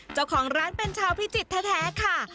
เจ้าของร้านเป็นชาวพิจิตรแท้ค่ะ